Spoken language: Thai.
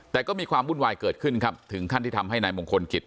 แต่ก็มีความวุ่นวายเกิดขึ้นครับถึงขั้นที่ทำให้นายมงคลกิจ